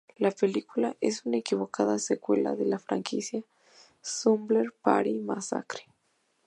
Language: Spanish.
La película es una equivocada secuela de la franquicia Slumber Party Massacre.